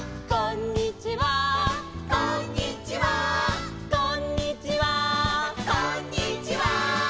「こんにちは」